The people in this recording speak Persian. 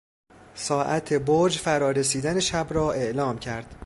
ساعت برج فرا رسیدن شب را اعلام کرد.